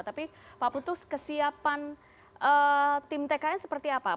tapi pak putus kesiapan tim tkn seperti apa